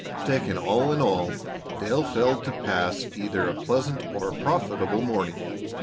Taken all in all, Dale failed to pass either a pleasant or a profitable morning.